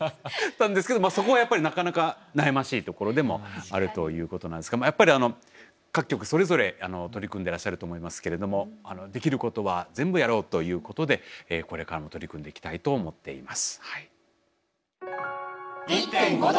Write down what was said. そこはやっぱりなかなか悩ましいところでもあるということなんですがやっぱり各局それぞれ取り組んでらっしゃると思いますけれどもできることは全部やろうということでこれからも取り組んでいきたいと思っています。